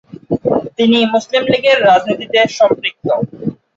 তিনি মুসলিম লীগের রাজনীতিতে সম্পৃক্ত।